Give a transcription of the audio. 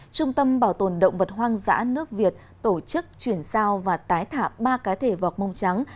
trung tâm bảo tồn động vật hoang dã nước việt tổ chức chuyển giao và tái thả ba cá thể vọc mông trắng